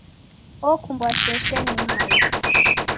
Okumbwa sheshe ni m'maiza.